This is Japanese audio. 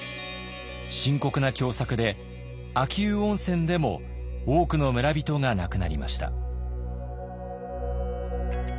深刻な凶作で秋保温泉でも多くの村人が亡くなりました。